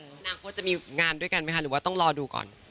อนาคตจะมีงานด้วยกันไหมคะหรือว่าต้องรอดูก่อน